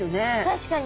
確かに。